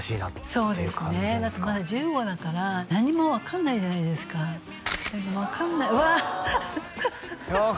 そうですねだってまだ１５だから何にも分かんないじゃないですか分かんないうわっあ